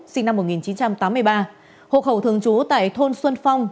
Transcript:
sinh năm một nghìn chín trăm tám mươi ba hộ khẩu thường trú tại thôn xuân phong